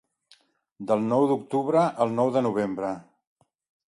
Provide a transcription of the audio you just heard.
Del nou d'octubre al nou de novembre.